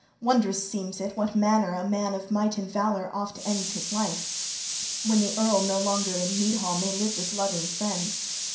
Wondrous seems it, what manner a man of might and valor oft ends his life, when the earl no longer in mead hall may live with loving friends.